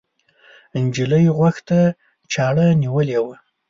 نجلۍ غوږ ته چاړه نیولې وه.